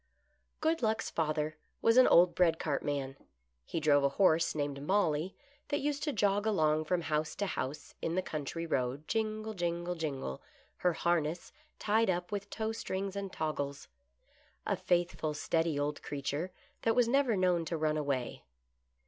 G ood LUCK'S father was an old bread cart man. He drove a horse named " Molly " that used to jog along from house to house in the country road,/^ gle, jingle, jingle, her harness tied up with tow strings and toggles ; a faithful steady old creature that was never known to run away.